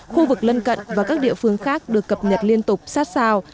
khu vực lân cận và các địa phương khác được cập nhật liên tục sát sao